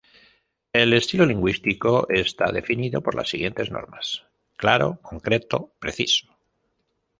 El estilo lingüístico está definido por las siguientes normas: claro, concreto, preciso.